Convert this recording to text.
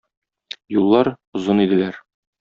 Юллар... озын иделәр...